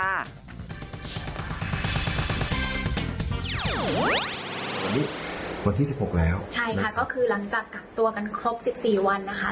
อันนี้วันที่๑๖แล้วใช่ค่ะก็คือหลังจากกลับตัวกันครบ๑๔วันนะคะ